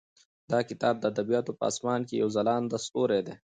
دا کتاب د ادبیاتو په اسمان کې یو ځلانده ستوری دی.